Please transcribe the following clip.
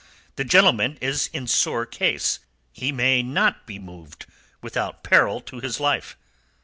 The gentleman is in sore case. He may not be moved without peril to his life."